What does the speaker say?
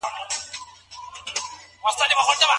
د ولادت کټ څه ډول وي؟